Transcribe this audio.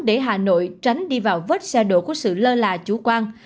để hà nội tránh đi vào vớt xe đổ của sự lơ là chú quan